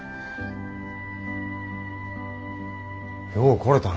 よう来れたな。